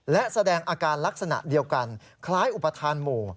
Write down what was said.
และแสดงอาการลักษณะเดียวกันคล้ายอุปทานหมู่